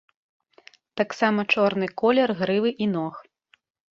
Таксама чорны колер грывы і ног.